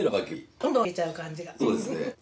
どんどんいけちゃう感じ。